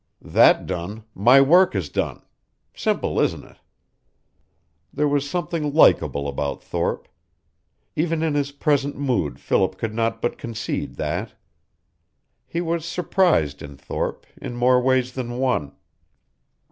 That done, my work is done. Simple, isn't it?" There was something likable about Thorpe. Even in his present mood Philip could not but concede that. He was surprised in Thorpe, in more ways than one.